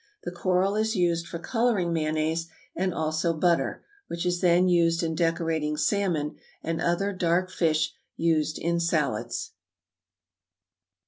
The coral is used for coloring mayonnaise, and also butter, which is then used in decorating salmon and other dark fish used in salads.